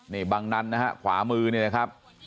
นี่บังนั้นนะฮะขวามือเนี่ยนะครับ